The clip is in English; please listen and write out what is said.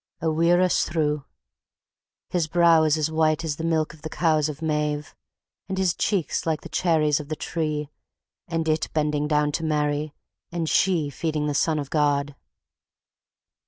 Awirra sthrue His brow is as white as the milk of the cows of Maeve And his cheeks like the cherries of the tree And it bending down to Mary and she feeding the Son of God.